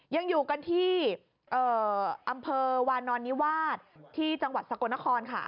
ยังอยู่กันที่อำเภอวานอนนิวาสที่จังหวัดสกลนครค่ะ